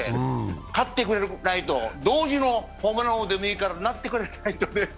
勝ってくれないと、どうにもホームラン王でもいいからなってくれないと。